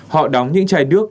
họ đóng những chai nước